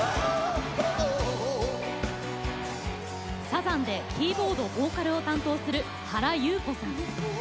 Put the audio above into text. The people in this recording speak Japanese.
サザンでキーボードボーカルを担当する原由子さん。